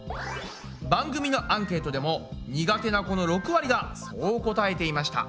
番組のアンケートでも苦手な子の６割がそう答えていました。